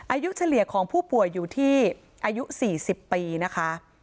เฉลี่ยของผู้ป่วยอยู่ที่อายุ๔๐ปีนะคะ